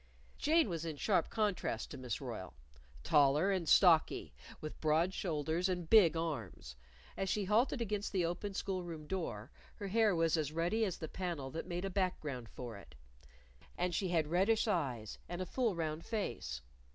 Jane was in sharp contrast to Miss Royle taller and stocky, with broad shoulders and big arms. As she halted against the open school room door, her hair was as ruddy as the panel that made a background for it. And she had reddish eyes, and a full round face.